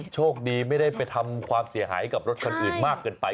โชคดีไม่ได้ไปทำความเสียหายกับรถคันอื่นมากเกินไป